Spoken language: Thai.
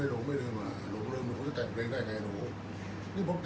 อันไหนที่มันไม่จริงแล้วอาจารย์อยากพูด